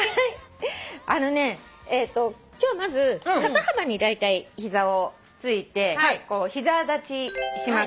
あのね今日まず肩幅にだいたい膝をついて膝立ちします。